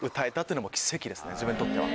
自分にとっては。